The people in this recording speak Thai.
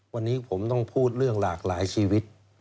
วันนี้ผมต้องพูดเรื่องหลากหลายชีวิต